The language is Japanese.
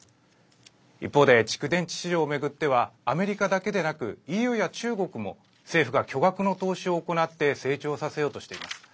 一方で、蓄電池市場を巡ってはアメリカだけでなくＥＵや中国も政府が巨額の投資を行って成長させようとしています。